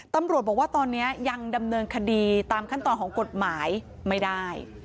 ตำรวจบอกว่าตอนนี้ยังดำเนินคดีตามขั้นตอนของกฎหมายไม่ได้